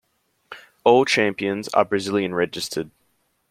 All champions are Brazilian-registered.